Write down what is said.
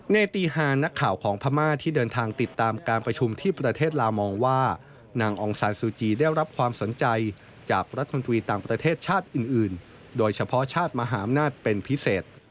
ตีฮานักข่าวของพม่าที่เดินทางติดตามการประชุมที่ประเทศลาวมองว่านางองซานซูจีได้รับความสนใจจากรัฐมนตรีต่างประเทศชาติอื่นโดยเฉพาะชาติมหาอำนาจเป็นพิเศษ